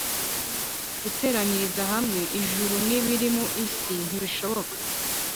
Guteranyiriza hamwe ijuru n’ibiri mu isi ntishoboka